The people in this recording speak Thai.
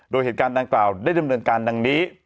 โดยเหตุการณ์ดังกล่าวได้ดำเนินการดังนี้